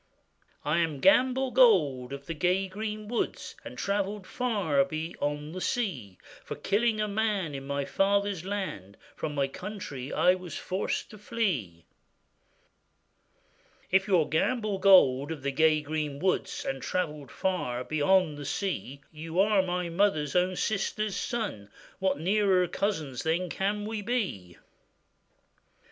'I am Gamble Gold of the gay green woods, And travellèd far beyond the sea; For killing a man in my father's land, From my country I was forced to flee.' 'If you are Gamble Gold of the gay green woods, And travellèd far beyond the sea, You are my mother's own sister's son; What nearer cousins then can we be?